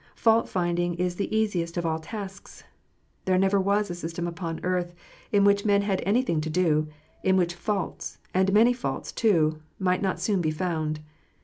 Fault finding is the easiest of all tasks. There never was a system upon earth, in which man had anything to do, in which faults, and many faults, too, might not soon be found.